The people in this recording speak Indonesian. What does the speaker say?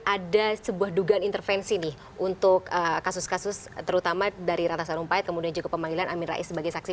ada sebuah dugaan intervensi nih untuk kasus kasus terutama dari ratna sarumpait kemudian juga pemanggilan amin rais sebagai saksi